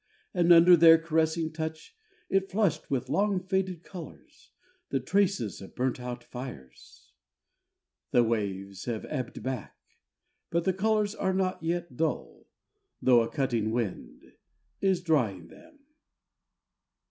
. and under their caressing touch it flushed with long faded colours, the traces of burnt out fires ! The waves have ebbed back ... but the colours are not yet dull, though a cutting wind is drying them.